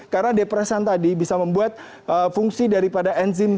karena depresan tadi bisa membuat fungsi daripada enzim